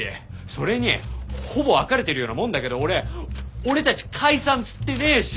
それにほぼ別れてるようなもんだけど俺俺たち解散っつってねぇし！